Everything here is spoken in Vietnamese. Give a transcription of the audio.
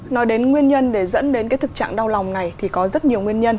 nói đến nguyên nhân để dẫn đến thực trạng đau lòng này thì có rất nhiều nguyên nhân